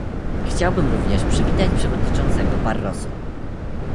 Chciałbym również przywitać przewodniczącego Barroso